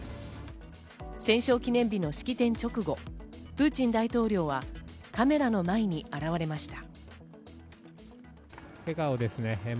戦勝記念日の式典直後、プーチン大統領はカメラの前に現れました。